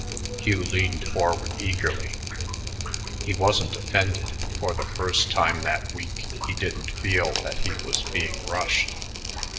Hugh leaned forward eagerly. He wasn't offended, and for the first time that week he didn't feel that he was being rushed.